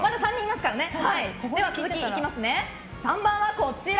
続き３番はこちら！